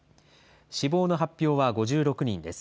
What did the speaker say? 死亡の発表は５６人です。